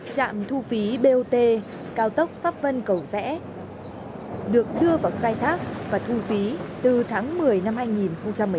trạm thu phí bot cao tốc pháp vân cầu rẽ được đưa vào khai thác và thu phí từ tháng một mươi năm hai nghìn một mươi tám